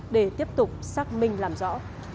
để tiếp tục xác minh làm rõ